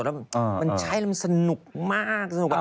มันใช่แล้วมันสนุกมาก